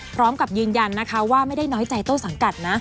พร้อมกับยืนยันนะคะว่าไม่ได้น้อยใจต้นสังกัดนะ